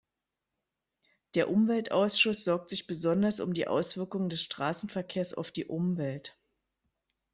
Der Umweltausschuss sorgt sich besonders um die Auswirkungen des Straßenverkehrs auf die Umwelt.